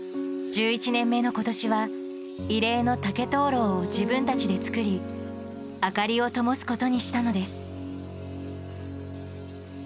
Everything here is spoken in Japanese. １１年目の今年は慰霊の竹灯籠を自分たちで作り明かりをともすことにしたのです。